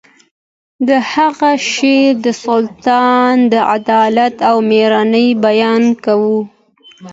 د هغه شعر د سلطان د عدالت او میړانې بیان کوي